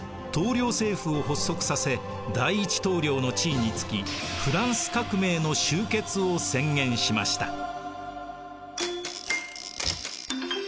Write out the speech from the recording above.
統領政府を発足させ第一統領の地位に就きフランス革命の終結を宣言しました。